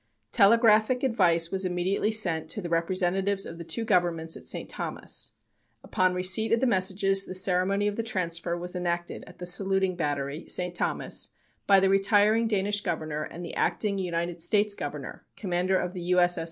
Telegraphic advice was immediately sent to representatives of the two Governments at St. Thomas. Upon receipt of the messages the ceremony of the transfer was enacted at the Saluting Battery, St. Thomas, by the retiring Danish governor and the acting United States governor (commander of the U. S. S.